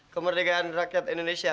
kemerdekaan rakyat indonesia